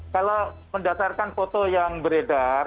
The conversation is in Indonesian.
kalau mendasarkan foto yang beredar